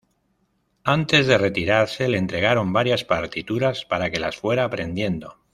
Antes de retirarse le entregaron varias partituras para que las fuera aprendiendo.